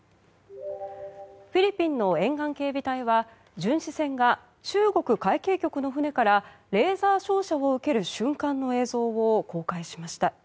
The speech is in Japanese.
フィリピンの沿岸警備隊は巡視船が中国海警局の船からレーザー照射を受ける瞬間の映像を公開しました。